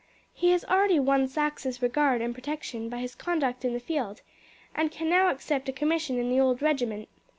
He has already won Saxe's regard and protection by his conduct in the field, and can now accept a commission in the old regiment.